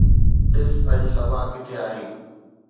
ڏس اڄ صبا ڪٿي آهي